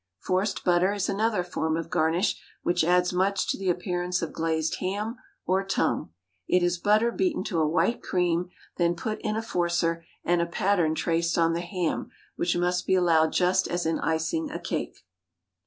"Forced butter" is another form of garnish which adds much to the appearance of glazed ham or tongue. It is butter beaten to a white cream, then put in a forcer, and a pattern traced on the ham, which must be followed just as in icing a cake.